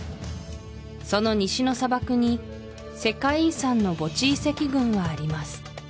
その西の砂漠に世界遺産の墓地遺跡群はあります